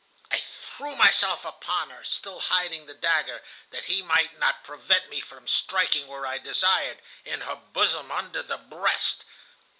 I threw myself upon her, still hiding the dagger, that he might not prevent me from striking where I desired, in her bosom, under the breast.